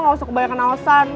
gak usah kebanyakan alesan